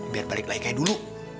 biar balik lagi kayak dulu